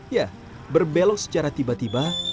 ya berbelok secara tiba tiba